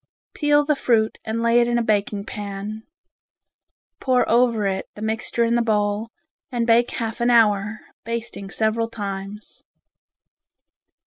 Peel the fruit and lay it in a baking pan. Pour over it the mixture in the bowl, and bake half an hour, basting several times.